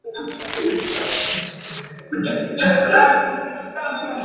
The process is not instantaneous.